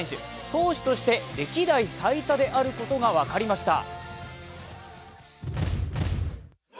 投手として歴代最多であることが分かりました。